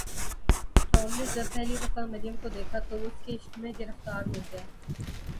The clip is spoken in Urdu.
ٹام نے جب پہلی دفعہ مریم کو دیکھا تو وہ اس کے عشق میں گرفتار ہو گیا۔